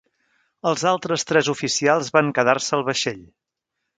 Els altres tres oficials van quedar-se al vaixell.